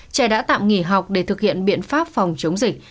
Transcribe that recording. trẻ đã tạm nghỉ học để thực hiện biện pháp phòng chống dịch